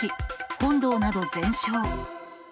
本堂など全焼。